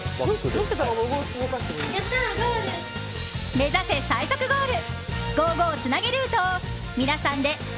目指せ、最速ゴール！